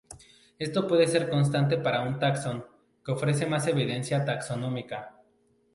Esto puede ser constante para un taxón, que ofrece más evidencia taxonómica.